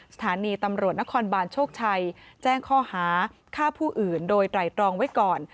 สถานีตำรวจนครบานโชคชัยแจ้งข้อหาฆ่าผู้อื่นโดยไตรตรองไว้ก่อน